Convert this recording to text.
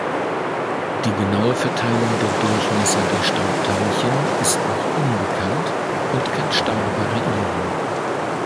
Die genaue Verteilung der Durchmesser der Staubteilchen ist noch unbekannt und kann stark variieren.